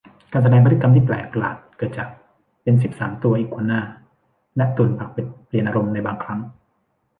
การแสดงพฤติกรรมที่แปลกประหลาด เกิดจาก เป็ดสิบสามตัว อีกัวน่า และตุ่นปากเป็ด เปลี่ยนอารมณ์ในบางครั้ง